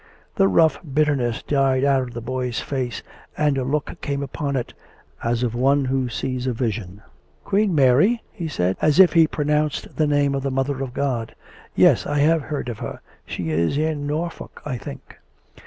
... The rough bitterness died out of the boy's face, and a look came upon it as of one who sees a vision. " Queen Mary ?" he said, as if he pronounced the name of the Mother of God. " Yes ; I have heard of her. ... She is in Norfolk, I think."